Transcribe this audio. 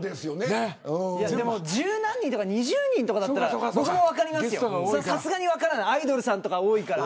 十何人とか２０人とかだったら僕も分かりますよアイドルさんとか多いから。